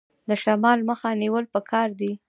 د شمال مخه نیول پکار دي؟